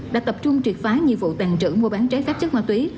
đã tập trung triệt phái nhi vụ tàn trữ mua bán trái phép chất ma túy